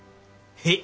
へい！